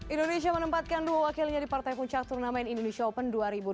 indonesia menempatkan dua wakilnya di partai puncak turnamen indonesia open dua ribu delapan belas